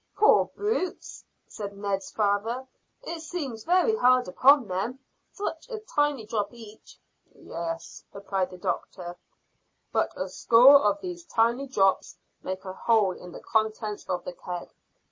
"Poor brutes!" said Ned's father. "It seems very hard upon them. Such a tiny drop each." "Yes," replied the doctor, "but a score of these tiny drops make a hole in the contents of the keg.